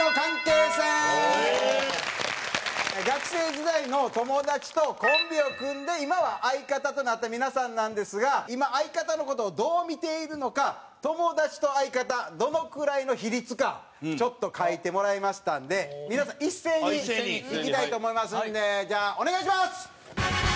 学生時代の友達とコンビを組んで今は相方となった皆さんなんですが今相方の事をどう見ているのか友達と相方どのくらいの比率かちょっと書いてもらいましたんで皆さん一斉にいきたいと思いますんでじゃあお願いします！